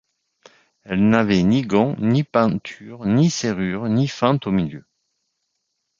Elle n’avait ni gonds, ni pentures, ni serrure, ni fente au milieu.